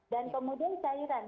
dan kemudian cairan